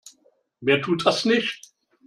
Wer tut das nicht?